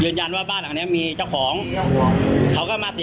เขาจะสั่งมาได้ไงไม่รู้ว่าเขาสั่งอย่างงี้